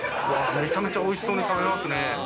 めちゃめちゃ美味しそうに食べますね。